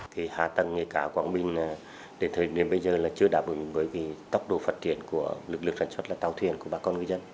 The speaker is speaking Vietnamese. thì hạ tầng nghề cá quảng bình là đến thời điểm bây giờ là chưa đáp ứng với tốc độ phát triển của lực lượng sản xuất là tàu thuyền của bà con người dân